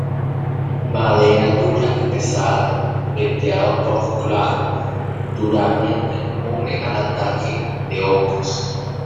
Madera dura y pesada, veteado poco claro; duramen inmune al ataque de hongos.